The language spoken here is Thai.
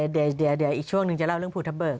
เดี๋ยวคืออีกช่วงหนึ่งลองพูดน้ำเบิก